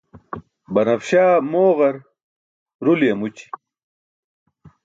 Banafśa mooġar, ruli amući.